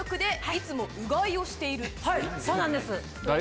そうなんです。